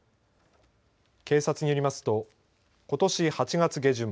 警察によりますとことし８月下旬